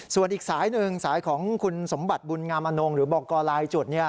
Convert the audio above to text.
ส่วนอีกสายหนึ่งสายของคุณสมบัติบุญงามอนงหรือบอกกรลายจุดเนี่ย